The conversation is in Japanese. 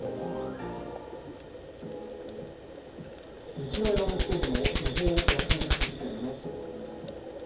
日大アメフト部の違法薬物事件のそのサキです。